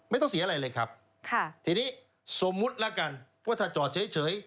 ไม่ต้องเสียอะไรเลยครับค่ะทีนี้สมมุติแล้วกันว่าถ้าจอดเฉย